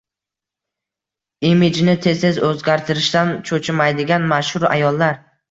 Imijini tez-tez o‘zgartirishdan cho‘chimaydigan mashhur ayollar